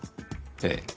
ええ。